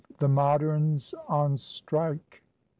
THE MODERNS ON STRIKE.